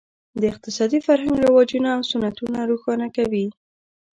د اقتصادي فرهنګ رواجونه او سنتونه روښانه کوي.